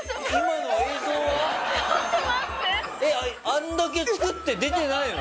あれだけ作って出てないの？